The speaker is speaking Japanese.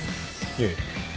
いえ。